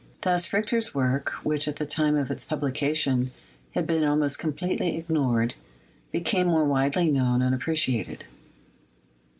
Thus Richter's work, which at the time of its publication had been almost com pletely ignored, became more widely known and appre ciated.